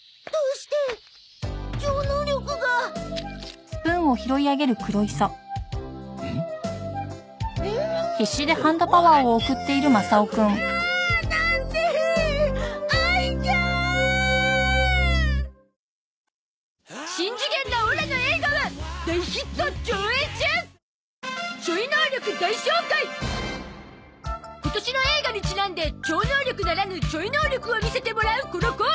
しん次元なオラの映画は今年の映画にちなんで超能力ならぬちょい能力を見せてもらうこのコーナー